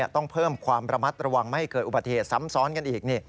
ต้องเพิ่มความระมัดระวังไม่ให้เกิดอุบัติเหตุซ้ำซ้อนกันอีก